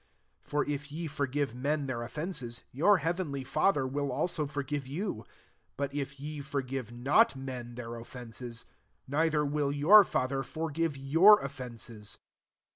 14 For if ye forgive men their of fences, your heavenly Father will also forgive you : 15 but if ye forgive not men [their qf» fences,'] neither will your Father forgive your oflfences.